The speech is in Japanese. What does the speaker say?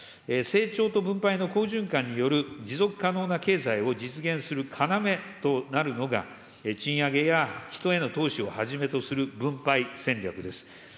成長と分配の好循環による持続可能な経済を実現する要となるのが、賃上げや人への投資をはじめとする分配戦略です。